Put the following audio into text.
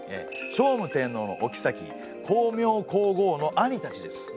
聖武天皇のおきさき光明皇后の兄たちです。